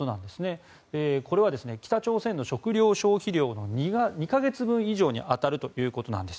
これは北朝鮮の食糧消費量の２か月分以上に当たるということなんです。